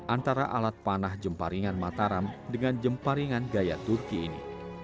antara alat panah jemparingan mataram dengan jemparingan gaya turki ini